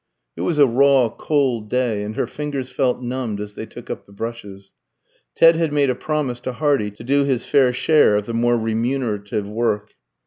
It was a raw, cold day, and her fingers felt numbed as they took up the brushes. Ted had made a promise to Hardy to do his fair share of the more remunerative work.